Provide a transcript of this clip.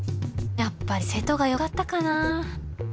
やっぱりセットがよかったかなぁ。